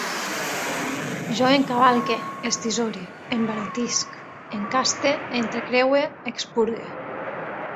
Jo encavalque, estisore, embaratisc, encaste, entrecreue, expurgue